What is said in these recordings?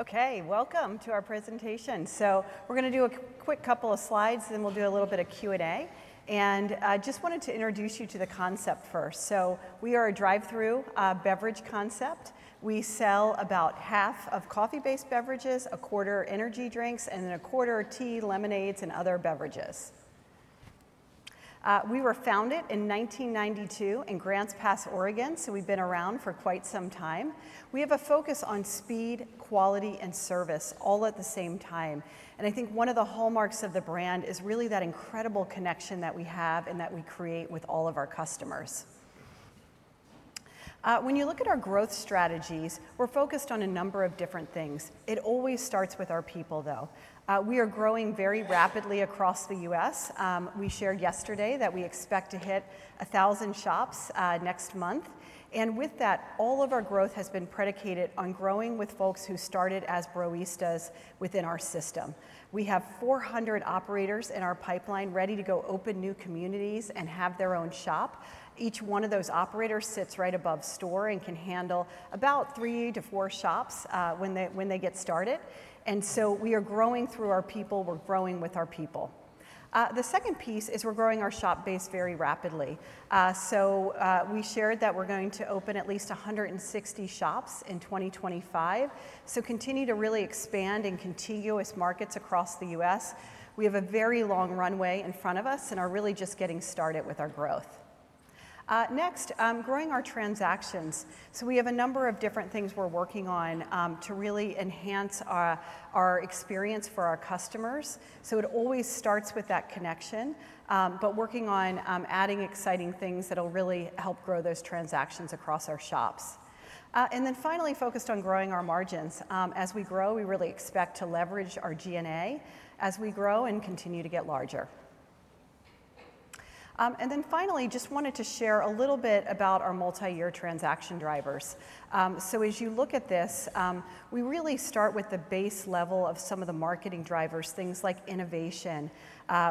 Okay, welcome to our presentation. So we're going to do a quick couple of slides, then we'll do a little bit of Q&A. And I just wanted to introduce you to the concept first. So we are a drive-through beverage concept. We sell about half of coffee-based beverages, a quarter energy drinks, and then a quarter tea, lemonades, and other beverages. We were founded in 1992 in Grants Pass, Oregon, so we've been around for quite some time. We have a focus on speed, quality, and service all at the same time. And I think one of the hallmarks of the brand is really that incredible connection that we have and that we create with all of our customers. When you look at our growth strategies, we're focused on a number of different things. It always starts with our people, though. We are growing very rapidly across the U.S. We shared yesterday that we expect to hit 1,000 shops next month. And with that, all of our growth has been predicated on growing with folks who started as Broistas within our system. We have 400 operators in our pipeline ready to go open new communities and have their own shop. Each one of those operators sits right above store and can handle about three to four shops when they get started. And so we are growing through our people. We're growing with our people. The second piece is we're growing our shop base very rapidly. So we shared that we're going to open at least 160 shops in 2025. So continue to really expand in contiguous markets across the U.S. We have a very long runway in front of us and are really just getting started with our growth. Next, growing our transactions. So we have a number of different things we're working on to really enhance our experience for our customers. So it always starts with that connection, but working on adding exciting things that'll really help grow those transactions across our shops. And then finally, focused on growing our margins. As we grow, we really expect to leverage our G&A as we grow and continue to get larger. And then finally, just wanted to share a little bit about our multi-year transaction drivers. So as you look at this, we really start with the base level of some of the marketing drivers, things like innovation.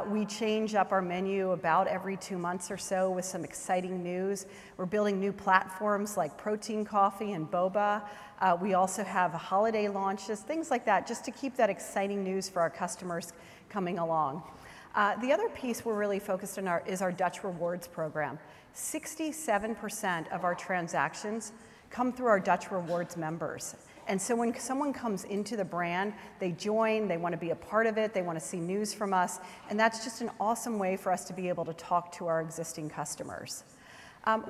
We change up our menu about every two months or so with some exciting news. We're building new platforms like Protein Coffee and Boba. We also have holiday launches, things like that, just to keep that exciting news for our customers coming along. The other piece we're really focused on is our Dutch Rewards program. 67% of our transactions come through our Dutch Rewards members, and so when someone comes into the brand, they join, they want to be a part of it, they want to see news from us, and that's just an awesome way for us to be able to talk to our existing customers.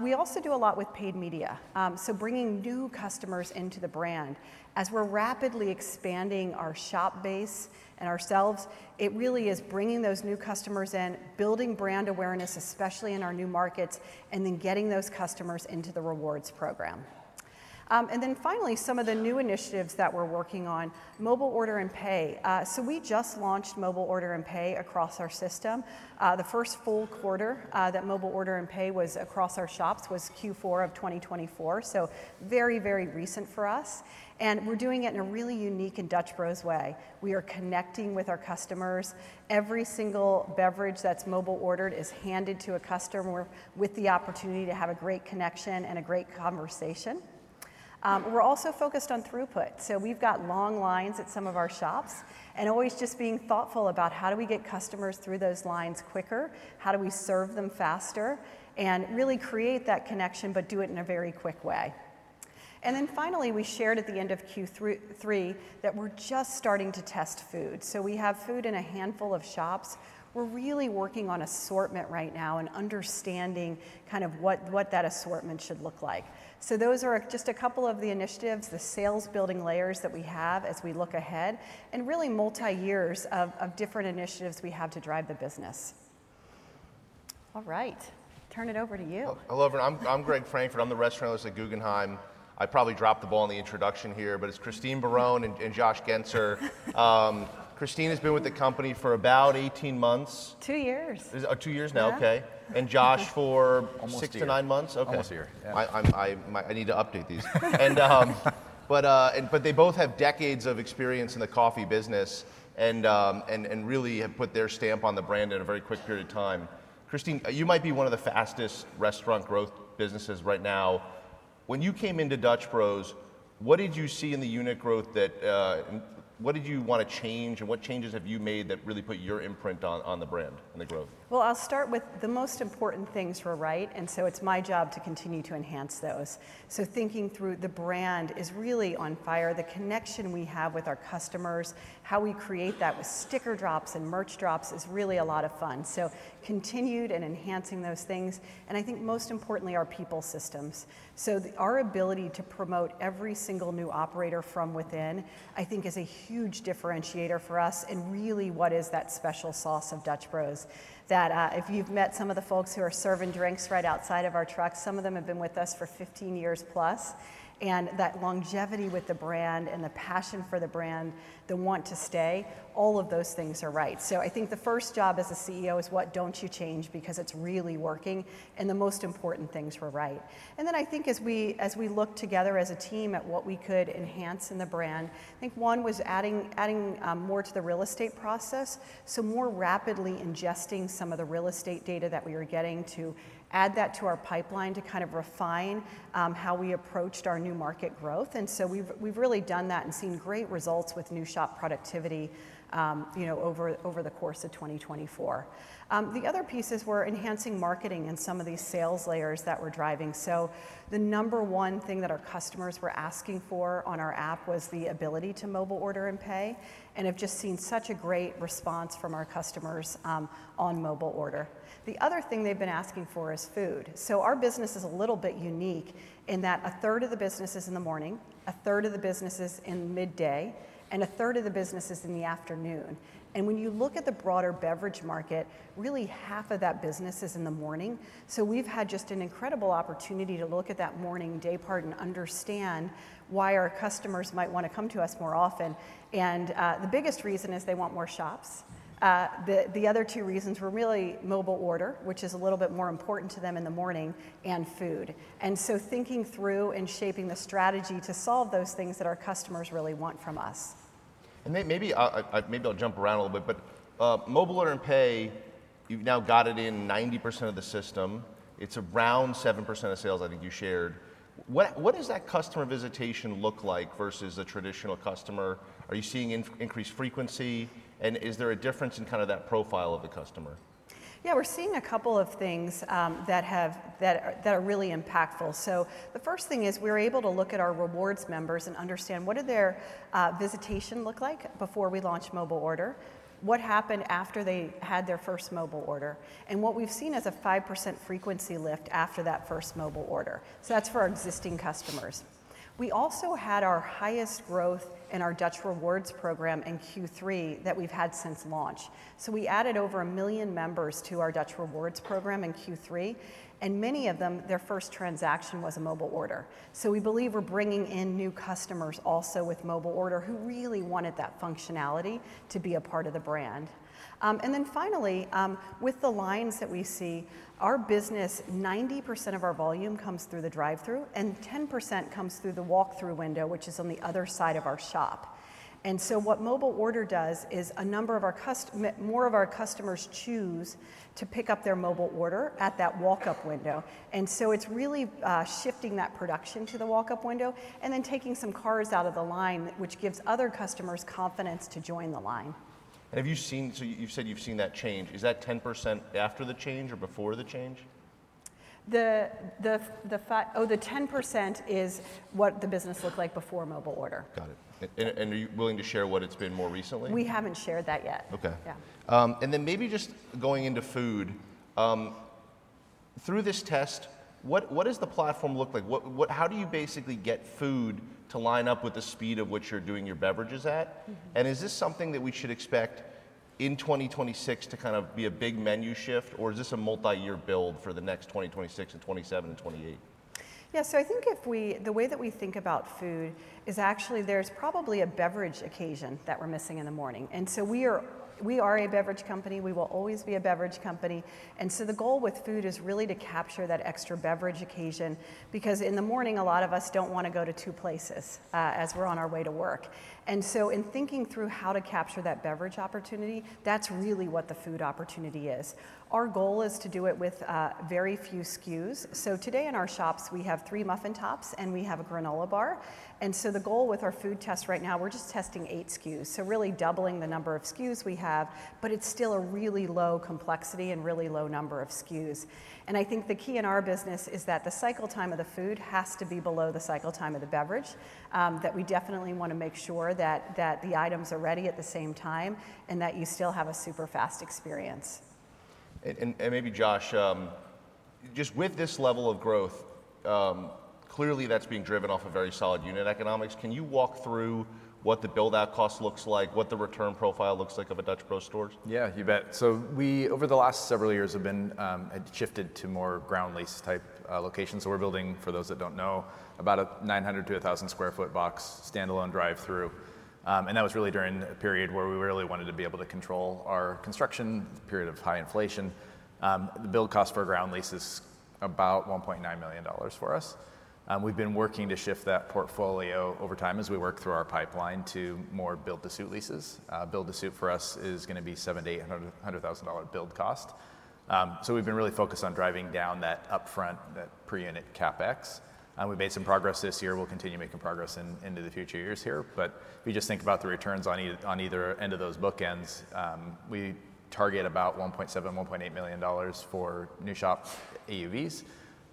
We also do a lot with paid media, so bringing new customers into the brand, as we're rapidly expanding our shop base and ourselves, it really is bringing those new customers in, building brand awareness, especially in our new markets, and then getting those customers into the rewards program, and then finally, some of the new initiatives that we're working on, mobile order and pay, so we just launched mobile order and pay across our system. The first full quarter that mobile order and pay was across our shops was Q4 of 2024, so very, very recent for us. And we're doing it in a really unique and Dutch Bros way. We are connecting with our customers. Every single beverage that's mobile ordered is handed to a customer with the opportunity to have a great connection and a great conversation. We're also focused on throughput. So we've got long lines at some of our shops and always just being thoughtful about how do we get customers through those lines quicker, how do we serve them faster, and really create that connection, but do it in a very quick way. And then finally, we shared at the end of Q3 that we're just starting to test food. So we have food in a handful of shops. We're really working on assortment right now and understanding kind of what that assortment should look like. So those are just a couple of the initiatives, the sales building layers that we have as we look ahead, and really multi-years of different initiatives we have to drive the business. All right, turn it over to you. Hello, everyone. I'm Greg Francfort. I'm the restaurant analyst at Guggenheim. I probably dropped the ball on the introduction here, but it's Christine Barone and Josh Guenser. Christine has been with the company for about 18 months. Two years. Two years now, okay, and Josh for six to nine months. Almost a year. I need to update these. But they both have decades of experience in the coffee business and really have put their stamp on the brand in a very quick period of time. Christine, you might be one of the fastest restaurant growth businesses right now. When you came into Dutch Bros, what did you see in the unit growth? What did you want to change and what changes have you made that really put your imprint on the brand and the growth? I'll start with the most important things were right, and so it's my job to continue to enhance those. Thinking through the brand is really on fire. The connection we have with our customers, how we create that with sticker drops and merch drops is really a lot of fun. Continued and enhancing those things. I think most importantly, our people systems. Our ability to promote every single new operator from within, I think, is a huge differentiator for us and really what is that special sauce of Dutch Bros that if you've met some of the folks who are serving drinks right outside of our trucks, some of them have been with us for 15 years plus. That longevity with the brand and the passion for the brand, the want to stay, all of those things are right. So, I think the first job as a CEO is what you don't change because it's really working and the most important things were right. And then I think as we looked together as a team at what we could enhance in the brand, I think one was adding more to the real estate process. So more rapidly ingesting some of the real estate data that we were getting to add that to our pipeline to kind of refine how we approached our new market growth. And so we've really done that and seen great results with new shop productivity over the course of 2024. The other pieces were enhancing marketing and some of these sales layers that we're driving. So the number one thing that our customers were asking for on our app was the ability to mobile order and pay, and have just seen such a great response from our customers on mobile order. The other thing they've been asking for is food. So our business is a little bit unique in that a third of the business is in the morning, a third of the business is in the midday, and a third of the business is in the afternoon. And when you look at the broader beverage market, really half of that business is in the morning. So we've had just an incredible opportunity to look at that morning and daypart and understand why our customers might want to come to us more often. And the biggest reason is they want more shops. The other two reasons were really mobile order, which is a little bit more important to them in the morning, and food, and so thinking through and shaping the strategy to solve those things that our customers really want from us. And maybe I'll jump around a little bit, but mobile order and pay, you've now got it in 90% of the system. It's around 7% of sales, I think you shared. What does that customer visitation look like versus a traditional customer? Are you seeing increased frequency? And is there a difference in kind of that profile of the customer? Yeah, we're seeing a couple of things that are really impactful. So the first thing is we're able to look at our rewards members and understand what did their visitation look like before we launched mobile order, what happened after they had their first mobile order, and what we've seen as a 5% frequency lift after that first mobile order. So that's for our existing customers. We also had our highest growth in our Dutch Rewards program in Q3 that we've had since launch. So we added over a million members to our Dutch Rewards program in Q3, and many of them, their first transaction was a mobile order. So we believe we're bringing in new customers also with mobile order who really wanted that functionality to be a part of the brand. Then finally, with the lines that we see, our business, 90% of our volume comes through the drive-through and 10% comes through the walk-up window, which is on the other side of our shop. And so what mobile order does is more of our customers choose to pick up their mobile order at that walk-up window. And so it's really shifting that production to the walk-up window and then taking some cars out of the line, which gives other customers confidence to join the line. Have you seen, so you've said you've seen that change. Is that 10% after the change or before the change? Oh, the 10% is what the business looked like before mobile order. Got it. And are you willing to share what it's been more recently? We haven't shared that yet. Okay. And then maybe just going into food, through this test, what does the platform look like? How do you basically get food to line up with the speed of what you're doing your beverages at? And is this something that we should expect in 2026 to kind of be a big menu shift, or is this a multi-year build for the next 2026 and 2027 and 2028? Yeah, so I think the way that we think about food is actually there's probably a beverage occasion that we're missing in the morning, and so we are a beverage company. We will always be a beverage company, and so the goal with food is really to capture that extra beverage occasion because in the morning, a lot of us don't want to go to two places as we're on our way to work, and so in thinking through how to capture that beverage opportunity, that's really what the food opportunity is. Our goal is to do it with very few SKUs, so today in our shops, we have three muffin tops and we have a granola bar, and so the goal with our food test right now, we're just testing eight SKUs. So really doubling the number of SKUs we have, but it's still a really low complexity and really low number of SKUs. And I think the key in our business is that the cycle time of the food has to be below the cycle time of the beverage, that we definitely want to make sure that the items are ready at the same time and that you still have a super fast experience. And maybe Josh, just with this level of growth, clearly that's being driven off of very solid unit economics. Can you walk through what the build-out cost looks like, what the return profile looks like of a Dutch Bros stores? Yeah, you bet. So we, over the last several years, have shifted to more ground lease type locations. So we're building, for those that don't know, about a 900-1,000 sq ft box standalone drive-through. And that was really during a period where we really wanted to be able to control our construction, period of high inflation. The build cost for ground lease is about $1.9 million for us. We've been working to shift that portfolio over time as we work through our pipeline to more build-to-suit leases. Build-to-suit for us is going to be $700,000-$800,000 build cost. So we've been really focused on driving down that upfront, that per-unit CapEx. We made some progress this year. We'll continue making progress into the future years here. But if you just think about the returns on either end of those bookends, we target about $1.7-$1.8 million for new shop AUVs.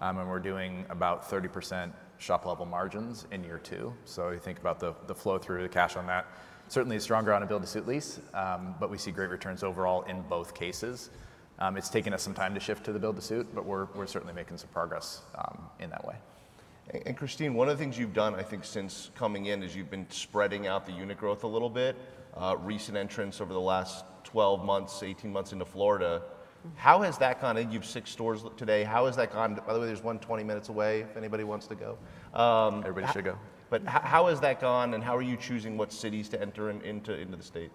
And we're doing about 30% shop level margins in year two. So you think about the flow through the cash on that. Certainly stronger on a build-to-suit lease, but we see great returns overall in both cases. It's taken us some time to shift to the build-to-suit, but we're certainly making some progress in that way. Christine, one of the things you've done, I think since coming in, is you've been spreading out the unit growth a little bit. Recent entrance over the last 12 months, 18 months into Florida. How has that gone? You have six stores today. How has that gone? By the way, there's one 20 minutes away if anybody wants to go. Everybody should go. But how has that gone and how are you choosing what cities to enter into the state?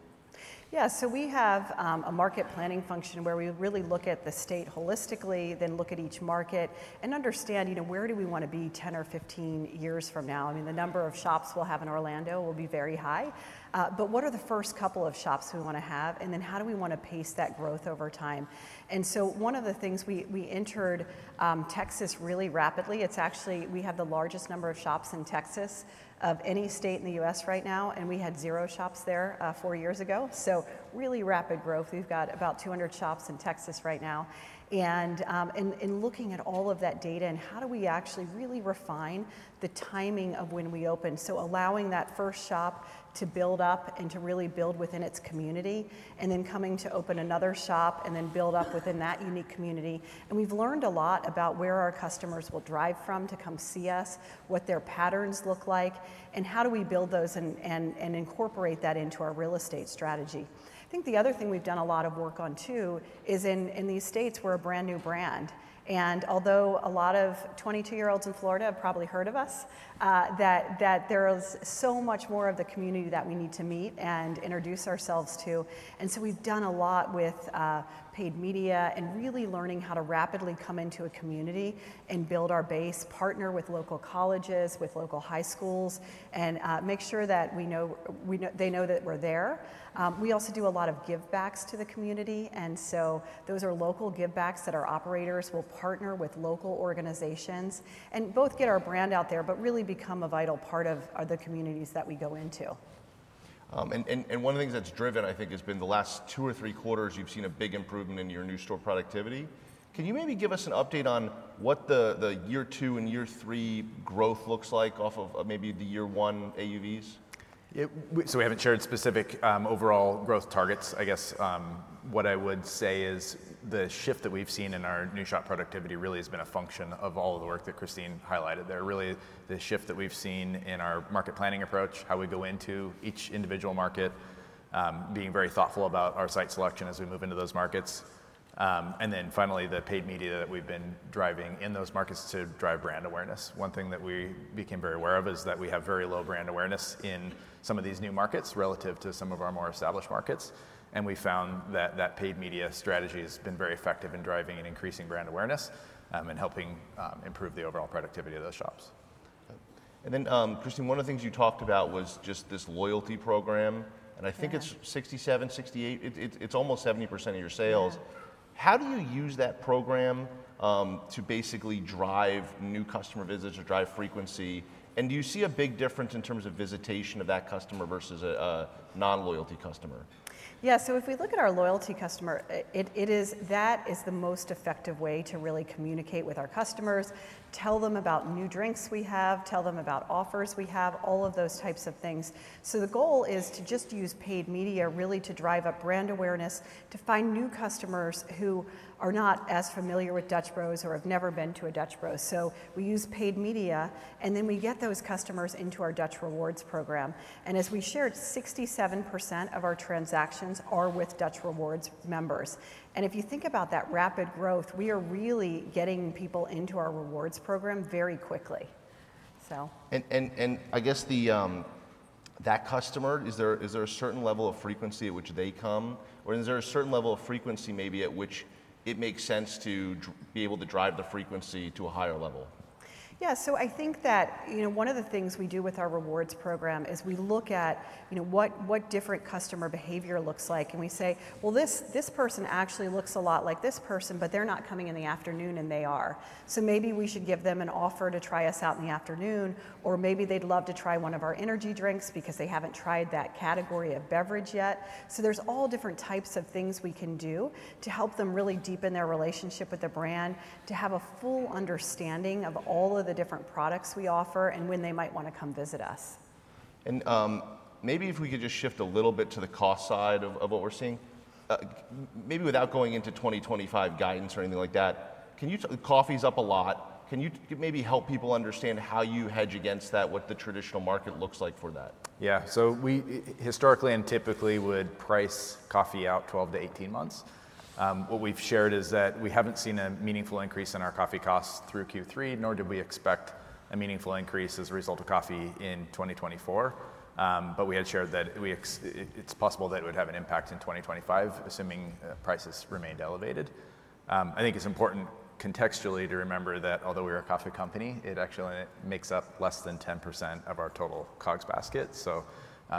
Yeah, so we have a market planning function where we really look at the state holistically, then look at each market and understand where do we want to be 10 or 15 years from now. I mean, the number of shops we'll have in Orlando will be very high. But what are the first couple of shops we want to have? And then how do we want to pace that growth over time? And so one of the things, we entered Texas really rapidly. It's actually we have the largest number of shops in Texas of any state in the U.S. right now, and we had zero shops there four years ago. So really rapid growth. We've got about 200 shops in Texas right now. And in looking at all of that data and how do we actually really refine the timing of when we open, so allowing that first shop to build up and to really build within its community, and then coming to open another shop and then build up within that unique community. And we've learned a lot about where our customers will drive from to come see us, what their patterns look like, and how do we build those and incorporate that into our real estate strategy. I think the other thing we've done a lot of work on too is in these states we're a brand new brand. And although a lot of 22-year-olds in Florida have probably heard of us, that there is so much more of the community that we need to meet and introduce ourselves to. And so we've done a lot with paid media and really learning how to rapidly come into a community and build our base, partner with local colleges, with local high schools, and make sure that they know that we're there. We also do a lot of give-backs to the community. And so those are local give-backs that our operators will partner with local organizations and both get our brand out there, but really become a vital part of the communities that we go into. One of the things that's driven, I think, has been the last two or three quarters you've seen a big improvement in your new store productivity. Can you maybe give us an update on what the year two and year three growth looks like off of maybe the year one AUVs? We haven't shared specific overall growth targets. I guess what I would say is the shift that we've seen in our new shop productivity really has been a function of all of the work that Christine highlighted there. Really, the shift that we've seen in our market planning approach, how we go into each individual market, being very thoughtful about our site selection as we move into those markets. And then finally, the paid media that we've been driving in those markets to drive brand awareness. One thing that we became very aware of is that we have very low brand awareness in some of these new markets relative to some of our more established markets. And we found that that paid media strategy has been very effective in driving and increasing brand awareness and helping improve the overall productivity of those shops. And then Christine, one of the things you talked about was just this loyalty program. And I think it's 67%-68%; it's almost 70% of your sales. How do you use that program to basically drive new customer visits or drive frequency? And do you see a big difference in terms of visitation of that customer versus a non-loyalty customer? Yeah, so if we look at our loyalty customer, that is the most effective way to really communicate with our customers, tell them about new drinks we have, tell them about offers we have, all of those types of things. So the goal is to just use paid media really to drive up brand awareness, to find new customers who are not as familiar with Dutch Bros or have never been to a Dutch Bros. So we use paid media, and then we get those customers into our Dutch Rewards program. And as we shared, 67% of our transactions are with Dutch Rewards members. And if you think about that rapid growth, we are really getting people into our rewards program very quickly. I guess that customer, is there a certain level of frequency at which they come? Or is there a certain level of frequency maybe at which it makes sense to be able to drive the frequency to a higher level? Yeah, so I think that one of the things we do with our rewards program is we look at what different customer behavior looks like. And we say, well, this person actually looks a lot like this person, but they're not coming in the afternoon and they are. So maybe we should give them an offer to try us out in the afternoon, or maybe they'd love to try one of our energy drinks because they haven't tried that category of beverage yet. So there's all different types of things we can do to help them really deepen their relationship with the brand, to have a full understanding of all of the different products we offer and when they might want to come visit us. Maybe if we could just shift a little bit to the cost side of what we're seeing, maybe without going into 2025 guidance or anything like that, coffee's up a lot. Can you maybe help people understand how you hedge against that, what the traditional market looks like for that? Yeah, so we historically and typically would price coffee out 12 to 18 months. What we've shared is that we haven't seen a meaningful increase in our coffee costs through Q3, nor did we expect a meaningful increase as a result of coffee in 2024. But we had shared that it's possible that it would have an impact in 2025, assuming prices remained elevated. I think it's important contextually to remember that although we are a coffee company, it actually makes up less than 10% of our total COGS basket. So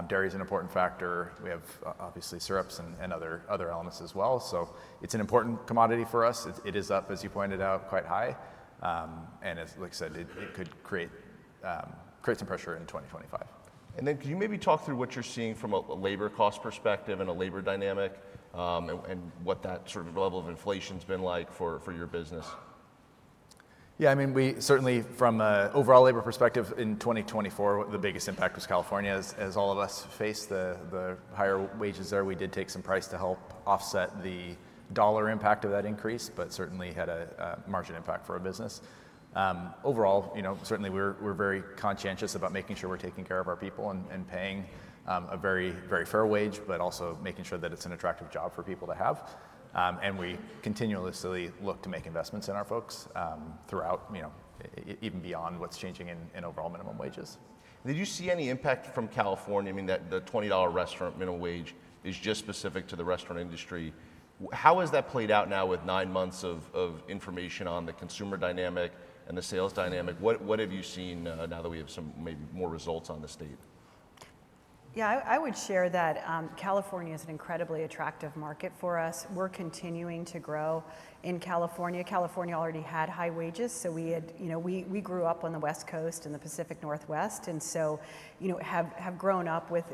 dairy is an important factor. We have obviously syrups and other elements as well. So it's an important commodity for us. It is up, as you pointed out, quite high. And as you said, it could create some pressure in 2025. Could you maybe talk through what you're seeing from a labor cost perspective and a labor dynamic and what that sort of level of inflation has been like for your business? Yeah, I mean, certainly from an overall labor perspective in 2024, the biggest impact was California, as all of us faced the higher wages there. We did take some price to help offset the dollar impact of that increase, but certainly had a margin impact for our business. Overall, certainly we're very conscientious about making sure we're taking care of our people and paying a very fair wage, but also making sure that it's an attractive job for people to have, and we continuously look to make investments in our folks throughout, even beyond what's changing in overall minimum wages. Did you see any impact from California? I mean, the $20 restaurant minimum wage is just specific to the restaurant industry. How has that played out now with nine months of information on the consumer dynamic and the sales dynamic? What have you seen now that we have some maybe more results on the state? Yeah, I would share that California is an incredibly attractive market for us. We're continuing to grow in California. California already had high wages, so we grew up on the West Coast and the Pacific Northwest, and so have grown up with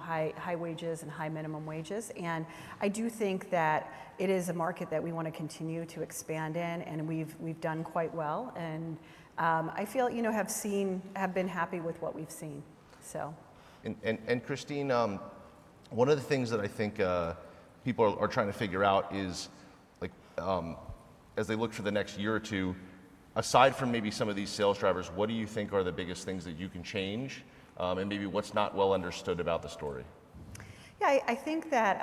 high wages and high minimum wages. And I do think that it is a market that we want to continue to expand in, and we've done quite well. And I feel we have been happy with what we've seen. Christine, one of the things that I think people are trying to figure out is, as they look for the next year or two, aside from maybe some of these sales drivers, what do you think are the biggest things that you can change? And maybe what's not well understood about the story? Yeah, I think that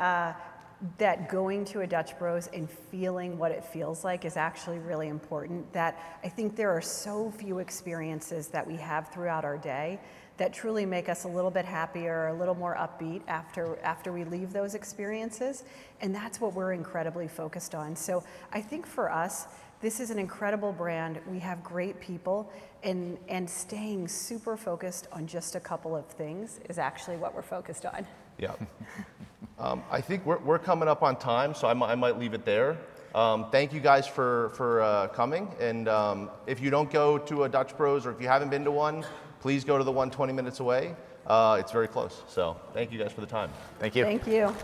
going to a Dutch Bros and feeling what it feels like is actually really important. I think there are so few experiences that we have throughout our day that truly make us a little bit happier, a little more upbeat after we leave those experiences, and that's what we're incredibly focused on, so I think for us, this is an incredible brand. We have great people, and staying super focused on just a couple of things is actually what we're focused on. Yeah. I think we're coming up on time, so I might leave it there. Thank you guys for coming, and if you don't go to a Dutch Bros or if you haven't been to one, please go to the one 20 minutes away. It's very close, so thank you guys for the time. Thank you. Thank you.